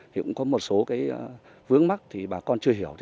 cũng có một số vướng mắc bà con chưa hiểu